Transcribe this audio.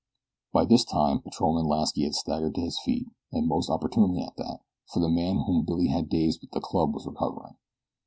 By this time Patrolman Lasky had staggered to his feet, and most opportunely at that, for the man whom Billy had dazed with the club was recovering.